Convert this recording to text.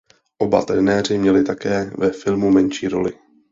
Oba trenéři měli také ve filmu menší roli.